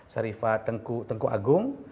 sharifah tengku agung